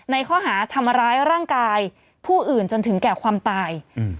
ในข้อหาทำร้ายร่างกายผู้อื่นจนถึงแก่ความตาย